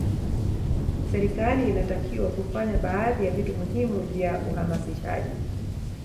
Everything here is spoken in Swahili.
serikali inatakiwa kufanya baadhi ya vitu muhimu vya uhamasishaji